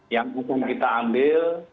yang harus kita ambil